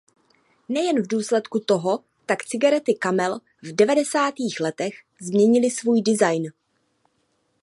Nejen v důsledku toho tak cigarety Camel v devadesátých letech změnily svůj design.